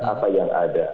apa yang ada